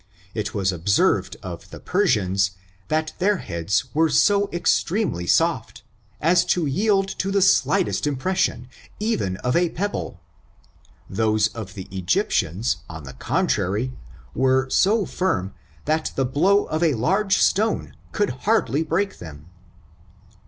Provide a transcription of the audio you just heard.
It was observed of the Persians, that their heads were so extremely soft, as to yield to the slightest impression, even of a pebble ; those of the Egyptians, on the contrary, were so firm, that the blow of a large stone could hardly break them."